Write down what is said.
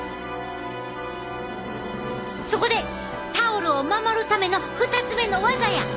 そこでタオルを守るための２つ目の技や！